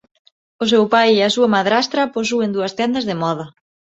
O seu pai e a súa madrastra posúen dúas tendas de moda.